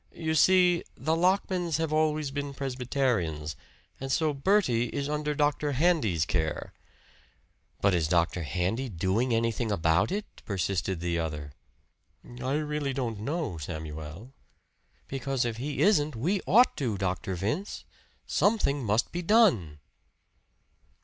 You see, the Lockmans have always been Presbyterians, and so Bertie is under Dr. Handy's care." "But is Dr. Handy doing anything about it?" persisted the other. "I really don't know, Samuel." "Because if he isn't, we ought to, Dr. Vince! Something must be done."